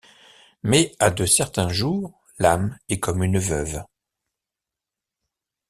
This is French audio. Mais à de certains jours, l’âme est comme une veuve.